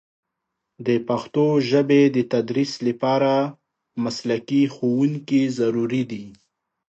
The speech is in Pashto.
د پښتو ژبې د تدریس لپاره مسلکي ښوونکي ضروري دي.